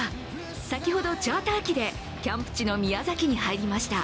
先ほどチャーター機でキャンプ地の宮崎に入りました。